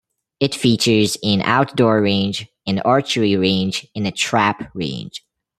It features an outdoor range, an archery range, and a trap range.